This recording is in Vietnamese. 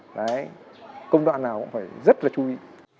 đấy công đoạn nào cũng phải rất là chú ý